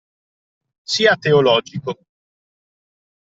Sia teologico